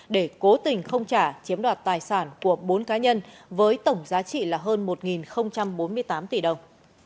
để cố tình không trả chiếm đoạt tài sản của bốn cá nhân với tổng giá trị là hơn một bốn mươi tám tỷ đồng